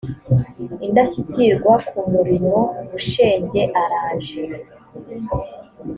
indashyikirwa ku murimo bushenge araje